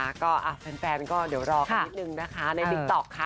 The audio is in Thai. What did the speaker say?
ก็แฟนก็เดี๋ยวรอกันนิดนึงนะคะในติ๊กต๊อกค่ะ